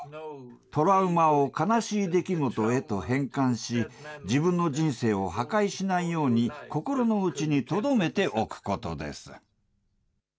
トラウマを悲しい出来事へと変換し、自分の人生を破壊しないように心のうちにとどめておくことです。